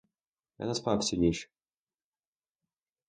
Я не спав цю ніч.